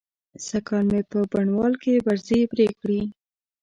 سږکال مې په بڼوال کې برځې پرې کړې.